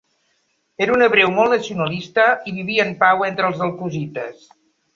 Era un hebreu molt nacionalista i vivia en pau entre els elkoshites.